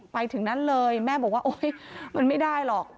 ไปถึงนั้นเลยแม่บอกว่าโอ๊ยมันไม่ได้หรอก